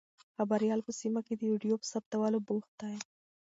خبریال په سیمه کې د ویډیو په ثبتولو بوخت دی.